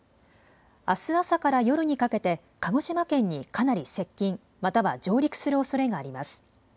あす朝から夜にかけて鹿児島県にかなり接近、または上陸するおそれがあります。